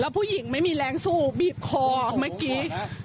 ผู้หญิงไม่มีแรงสู้บีบคอเมื่อกี้